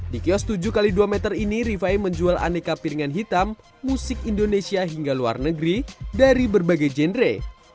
di kios tujuh x dua meter ini rifai menjual aneka piringan hitam musik indonesia hingga luar negeri dari berbagai genre